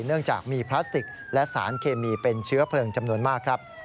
เนื่องจากมีพลาสติกและสารเคมีเป็นเชื้อเพลิงจำนวนมากครับ